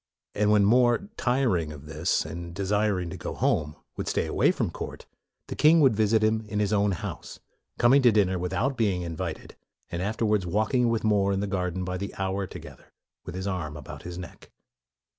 '' And when More, tiring of this and desiring to go home, would stay away from court, the king would visit him in his own house, coming to dinner without being invited, and afterwards walking with More in the garden by the hour together with his arm about his neck.